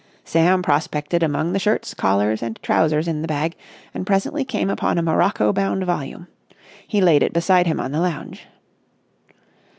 Sam prospected among the shirts, collars, and trousers in the bag and presently came upon a morocco bound volume. He laid it beside him on the lounge.